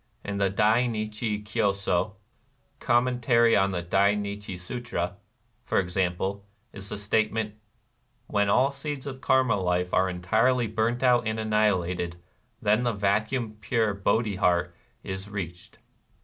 In the Dai Nichi Kyo So (Com mentary on the Dai Nichi Sutra), for example, is the state ment :—" When all seeds of Karma life are entirely burnt out and annihilated, then the vacuum pure Bodhi heart is reached."